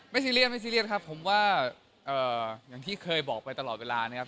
ซีเรียสไม่ซีเรียสครับผมว่าอย่างที่เคยบอกไปตลอดเวลานะครับ